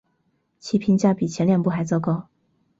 其评价比前两部还糟糕。